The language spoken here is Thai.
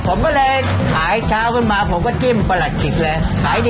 ผมก็เลยขายเช้าขึ้นมาผมก็จิ้มประหลัดจิกเลย